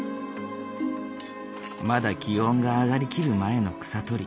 まだ気温が上がりきる前の草取り。